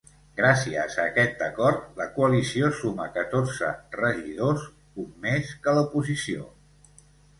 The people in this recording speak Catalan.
Gràcies a aquest acord, la coalició suma catorze regidors, un més que l’oposició.